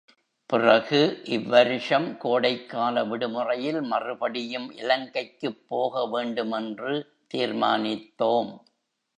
பிறகு இவ்வருஷம் கோடைக்கால விடுமுறையில் மறுபடியும் இலங்கைக்குப் போகவேண்டுமென்று தீர்மானித்தோம்.